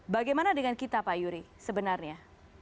bagaimana dengan kita pak yuri sebenarnya